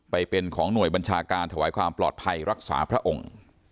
ไปเป็นของหน่วยบัญชาการถวายความปลอดภัยรักษาพระองค์